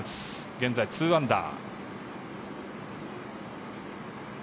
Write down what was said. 現在、２アンダー。